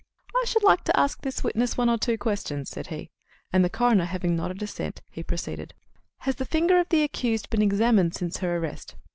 "I should like to ask this witness one or two questions," said he, and the coroner having nodded assent, he proceeded: "Has the finger of the accused been examined since her arrest?"